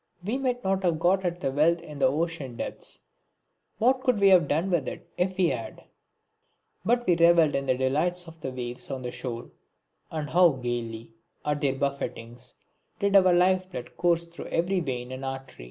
We might not have got at the wealth in the ocean depths what could we have done with it if we had? but we revelled in the delights of the waves on the shore; and how gaily, at their buffettings, did our life blood course through every vein and artery!